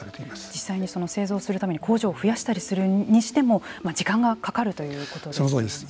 実際に製造するために工場を増やしたりするにしても時間がかかるということですよね。